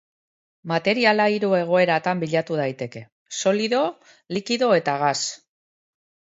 Materiala hiru egoeratan bilatu daiteke, solido, likido eta gas.